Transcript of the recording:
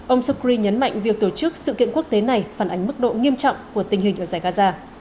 ông sokri nhấn mạnh việc tổ chức sự kiện quốc tế này phản ánh mức độ nghiêm trọng của tình hình ở giải gaza